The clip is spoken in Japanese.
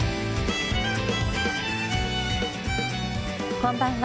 こんばんは。